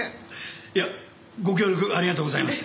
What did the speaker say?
いやご協力ありがとうございました。